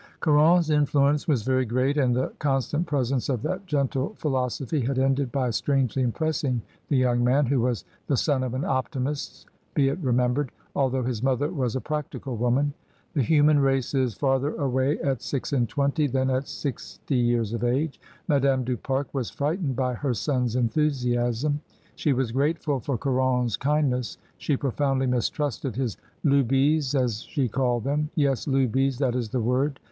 Caron's influence was very great, and the con stant presence of that gentle philosophy had ended by strangely impressing the young man, who was the son of an optimist be it remembered, although his mother was a practical woman. The human race is farther away at six and twenty than at sixty years of age. Madame du Pare was frightened by her son's enthusiasm. She was grateful for Caron's kindness, she profoundly mistrusted his "ludies," as she called them. "Yes, ludtes, that is the word.